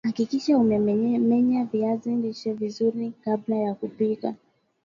hakikisha umemenya viazi lishe vizuri kabla ya kupika